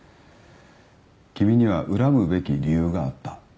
君には恨むべき理由があった。